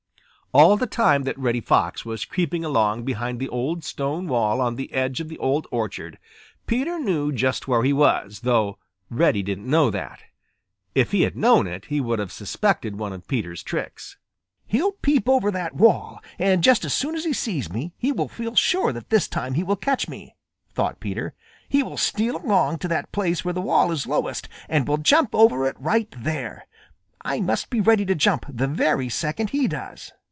All the time that Reddy Fox was creeping along behind the old stone wall on the edge of the Old Orchard, Peter knew just where he was, though Reddy didn't know that. If he had known it, he would have suspected one of Peter's tricks. "He'll peep over that wall, and just as soon as he sees me, he will feel sure that this time he will catch me," thought Peter. "He will steal along to that place where the wall is lowest and will jump over it right there. I must be ready to jump the very second he does."